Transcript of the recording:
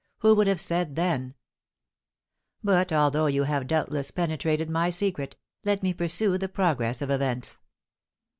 who would have said then But although you have doubtless penetrated my secret, let me pursue the progress of events.